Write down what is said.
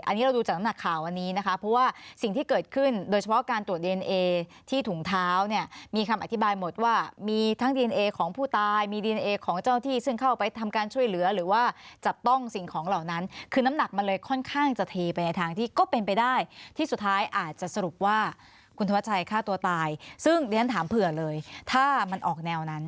อันนี้เราดูจากน้ำหนักข่าววันนี้นะคะเพราะว่าสิ่งที่เกิดขึ้นโดยเฉพาะการตรวจดีเนเอที่ถุงเท้าเนี่ยมีคำอธิบายหมดว่ามีทั้งดีเนเอของผู้ตายมีดีเนเอของเจ้าหน้าที่ซึ่งเข้าไปทำการช่วยเหลือหรือว่าจับต้องสิ่งของเหล่านั้นคือน้ำหนักมันเลยค่อนข้างจะเทไปในทางที่ก็เป็นไปได้ที่สุดท้ายอาจจะสรุปว